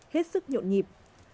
hết sức nhộn nhịp